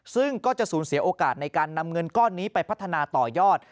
ซึ่งก็จะสูญเสียโอกาสในการนำเงินก้อนนี้ไปพัฒนาต่อยอด